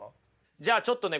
じゃあちょっとね